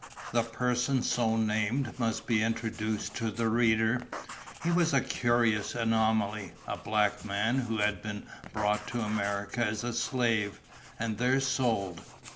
The person so named must be introduced to the reader. He was a curious anomaly—a black man who had been brought to America as a slave, and there sold.